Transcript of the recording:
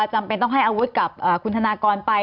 จำเป็นต้องให้อาวุธกับคุณธนากรไป